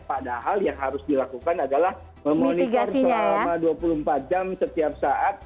padahal yang harus dilakukan adalah memonitor selama dua puluh empat jam setiap saat